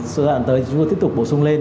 sự đoạn tới chúng tôi tiếp tục bổ sung lên